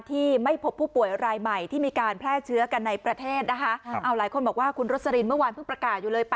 ที่ไม่พบผู้ป่วยรายใหม่ที่มีการแพร่เชื้อกันในประเทศนะคะเอาหลายคนบอกว่าคุณรสลินเมื่อวานเพิ่งประกาศอยู่เลย